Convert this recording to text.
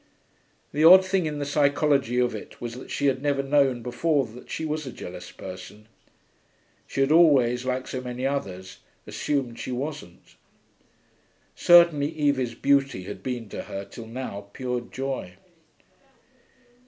The odd thing in the psychology of it was that she had never known before that she was a jealous person; she had always, like so many others, assumed she wasn't. Certainly Evie's beauty had been to her till now pure joy.